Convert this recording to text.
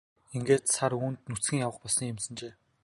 Ингээд сар үүрд нүцгэн явах болсон юмсанжээ.